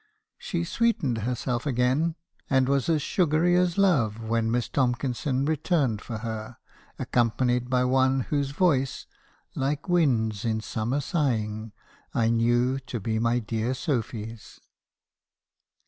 She sweetened herself again; and was as sugary as love when Miss Tomkinson returned for her, accompanied by one whose voice, 'like winds in summer sighing,' I knew to be my dear Sophy's.